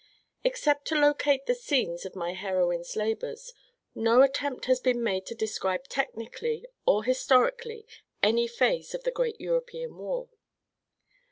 Except to locate the scenes of my heroines' labors, no attempt has been made to describe technically or historically any phase of the great European war.